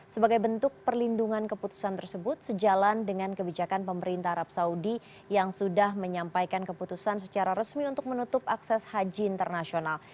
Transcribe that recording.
sebagai bentuk perlindungan keputusan tersebut sejalan dengan kebijakan pemerintah arab saudi yang sudah menyampaikan keputusan secara resmi untuk menutup akses haji internasional